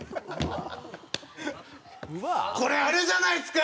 これあれじゃないですか！